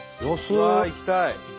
うわ行きたい。